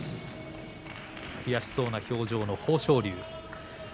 悔しそうな表情の豊昇龍。